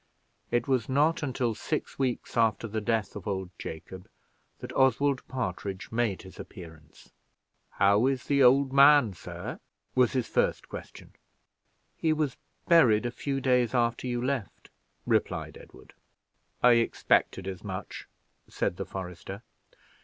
It was not until six weeks after the death of old Jacob that Oswald Partridge made his appearance. "How is the old man, sir?" was his first question. "He was buried a few days after you left," replied Edward. "I expected as much," said the forester.